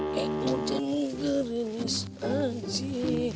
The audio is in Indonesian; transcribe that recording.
kekutih ngerinis anji